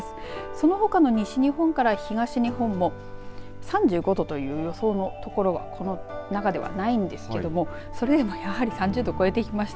そのほかの西日本から東日本も３５度という予想のところがこの中ではないんですけどもそれでもやはり３５度超えてきます。